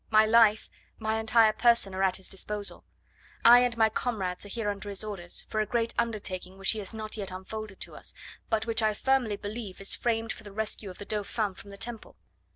My life, my entire person are at his disposal. I and my comrades are here under his orders, for a great undertaking which he has not yet unfolded to us, but which I firmly believe is framed for the rescue of the Dauphin from the Temple."